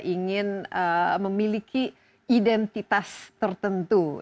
ingin memiliki identitas tertentu